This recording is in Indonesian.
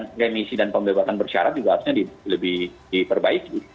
proses pemberian remisi dan pembebatan bersyarat juga harusnya diperbaiki